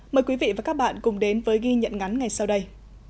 mời quý vị và các bạn cùng đến với ghi nhận ngắn ngay sau đây